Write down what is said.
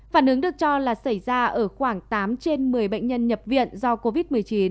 phản ứng được cho là xảy ra ở khoảng tám trên một mươi bệnh nhân nhập viện do covid một mươi chín